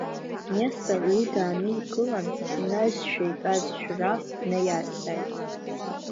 Нестор, уи дааникылан, инаҩсшәа итәаз Жәраб днаиазҵааит…